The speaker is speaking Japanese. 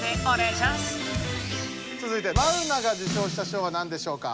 つづいてマウナが受賞した賞は何でしょうか？